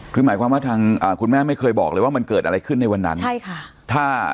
คือหมายความว่าทางคุณแม่ไม่เคยบอกเลยว่ามันเกิดอะไรขึ้นในวันนั้นใช่ค่ะ